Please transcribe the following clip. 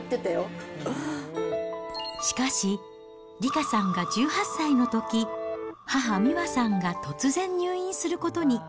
しかし、理佳さんが１８歳のとき、母、美和さんが突然入院することに。